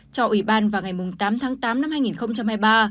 cho ủy ban vào ngày tám tháng tám năm hai nghìn hai mươi ba